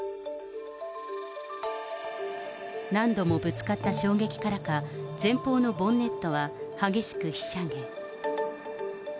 何度もぶつかった衝撃からか、前方のボンネットは激しくひしゃげ。